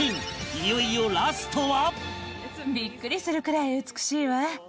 いよいよラストは